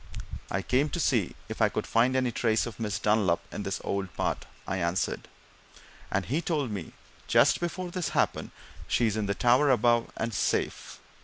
"I came to see if I could find any trace of Miss Dunlop in this old part," I answered, "and he told me just before this happened she's in the tower above, and safe.